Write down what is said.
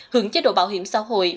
hưởng chế độ bảo hiểm xã hội